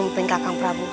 apa ada yang mengusikmu